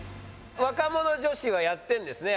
若者女子はやってるんですね